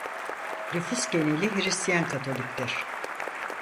Nüfus geneli Hristiyan Katolik'tir.